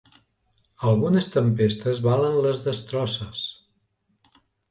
Algunes tempestes valen les destrosses.